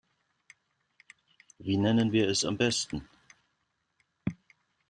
Wie nennen wir es am besten?